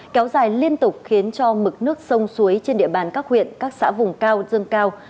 kéo dài liên tục khiến cho mực nước sông suối trên địa bàn các huyện các xã vùng cao dâng cao